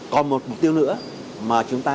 còn một mục tiêu nữa mà chúng ta